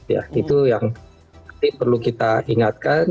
ya itu yang perlu kita ingatkan